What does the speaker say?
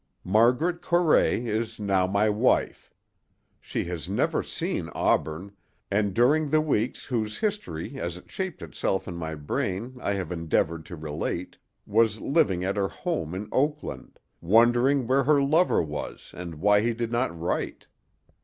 Margaret Corray is now my wife. She has never seen Auburn, and during the weeks whose history as it shaped itself in my brain I have endeavored to relate, was living at her home in Oakland, wondering where her lover was and why he did not write.